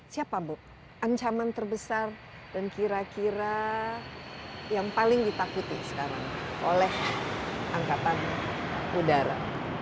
siapa bu ancaman terbesar dan kira kira yang paling ditakuti sekarang oleh angkatan udara